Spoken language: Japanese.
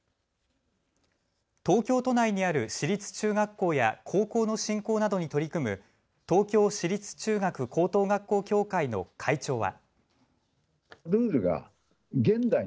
東京都内にある私立中学校や高校の振興などに取り組む東京私立中学高等学校協会の会長は。